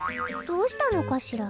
どうしたのかしら？